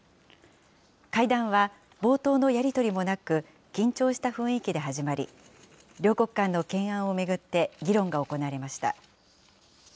会談は冒頭のやり取りもなく、緊張した雰囲気で始まり、両国間の懸案を巡って、議論が行われました。